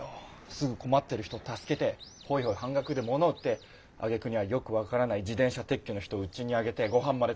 すぐ困ってる人を助けてほいほい半額で物売ってあげくにはよく分からない自転車撤去の人うちに上げてごはんまで食べさして。